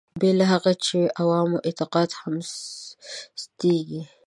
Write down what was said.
بې له هغه د عوامو اعتقاد هم سستېږي.